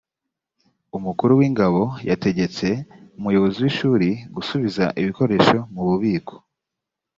umukuru w ingabo yategetse umuyobozi w ishuri gusubiza ibikoresho mu bubiko